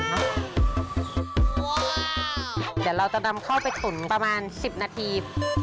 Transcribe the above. เดี๋ยวเราจะนำเข้าไปตุ๋นประมาณ๑๐นาที